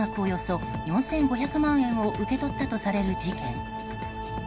およそ４５００万円を受け取ったとされる事件。